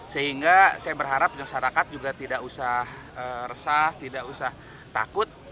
sehingga saya berharap masyarakat juga tidak usah resah tidak usah takut